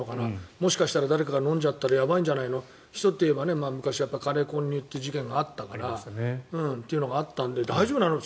もしかしたら誰かが飲んじゃったらやばいんじゃないのヒ素といえば昔はカレー混入っていう事件があったから大丈夫なのと。